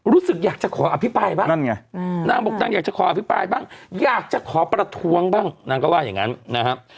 รู้สึกอยากจะขออภิปรายบ้างนั่นไงนางบอกนางอยากจะขออภิปรายบ้างอยากจะขอประท้วงบ้างนางก็ว่าอย่างนั้นนะครับ